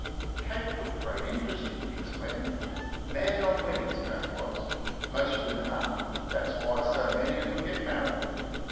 Kate took great interest in Dick's wedding. Mad on weddings, Kate was. Most women are; that's why so many of them get married.